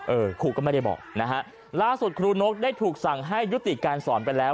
เออครูก็ไม่ได้บอกนะฮะล่าสุดครูนกได้ถูกสั่งให้ยุติการสอนไปแล้ว